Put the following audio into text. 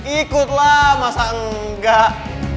ikut lah masa enggak